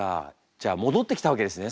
じゃあ戻ってきたわけですね